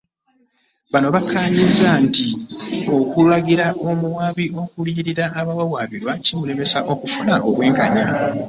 Bonna bakkaanyiza nti okulagira omuwaabi okuliyirira abawawaabirwa kimulemesa okufuna obwenkanya